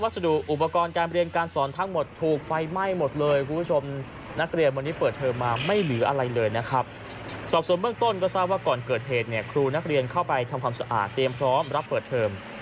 ส่วนเบื้องต้นก็ทราบว่าก่อนเกิดเหตุเนี่ยครูนักเรียนเข้าไปทำความสะอาดเตรียมพร้อมรับเปิดเทอม